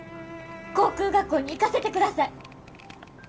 航空学校に行かせてください。